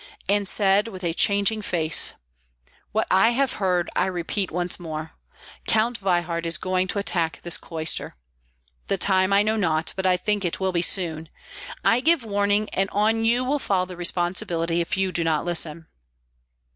and said, with a changing face, "What I have heard, I repeat once more: Count Veyhard is going to attack this cloister. The time I know not, but I think it will be soon, I give warning and on you will fall the responsibility if you do not listen."